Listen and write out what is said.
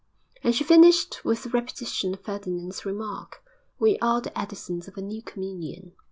_' And she finished with a repetition of Ferdinand's remark, 'We are the Edisons of a new communion!'